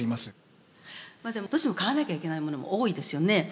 どうしても買わなきゃいけないものも多いですよね。